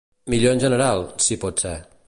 Millor en general, si pot ser.